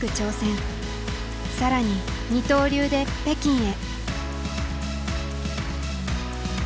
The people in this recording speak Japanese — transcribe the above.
更に二刀流で北京へ。